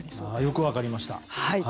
よく分かりました。